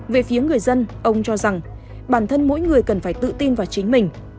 về phía người dân ông cho rằng bản thân mỗi người cần phải tự tin vào chính mình